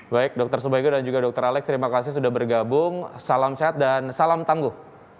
baik dr subagio dan juga dr alex terima kasih sudah bergabung salam sehat dan salam tangguh